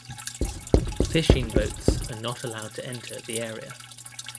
Fishing boats are not allowed to enter the area.